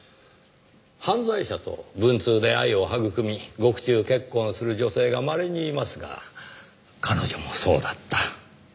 犯罪者と文通で愛を育み獄中結婚する女性がまれにいますが彼女もそうだった。